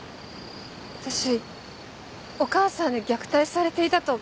私お母さんに虐待されていたと勘違いしてたんです。